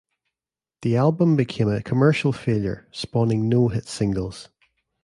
The album became a commercial failure, spawning no hit singles.